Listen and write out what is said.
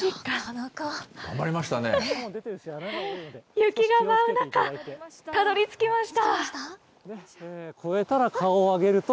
雪が舞う中、たどりつきました。